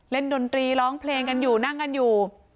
ดนตรีร้องเพลงกันอยู่นั่งกันอยู่